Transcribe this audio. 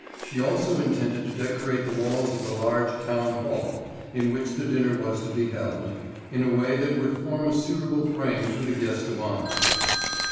She also intended to decorate the walls of the large town hall, in which the dinner was to be held, in a way that would form a suitable frame to the guest of honour.